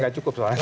gak cukup soalnya